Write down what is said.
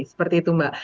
seperti itu mbak